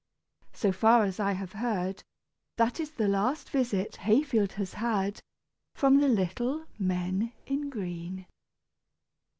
So far as I have heard, that is the last visit Hayfield has had from the little men in green.